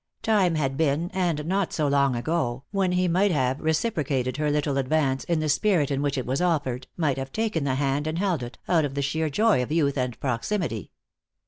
Time had been, and not so long ago, when he might have reciprocated her little advance in the spirit in which it was offered, might have taken the hand and held it, out of the sheer joy of youth and proximity.